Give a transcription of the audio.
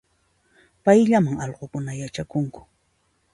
Payllaman allqunkuna yachakunku